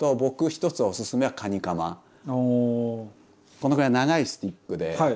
このぐらい長いスティックで。